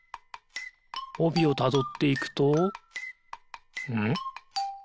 おびをたどっていくとんっ？